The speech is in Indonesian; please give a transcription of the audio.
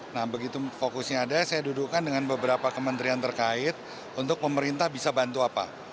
nah begitu fokusnya ada saya dudukkan dengan beberapa kementerian terkait untuk pemerintah bisa bantu apa